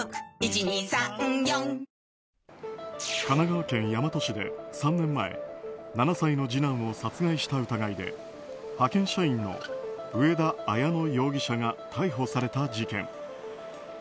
神奈川県大和市で３年前７歳の次男を殺害した疑いで派遣社員の上田綾乃容疑者が逮捕された事件。